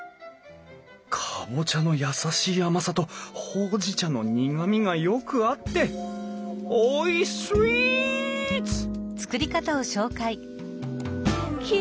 カボチャの優しい甘さとほうじ茶の苦みがよく合っておいスイーツ！